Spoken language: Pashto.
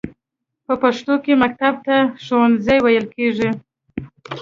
په پښتو کې مکتب ته ښوونځی ویل کیږی.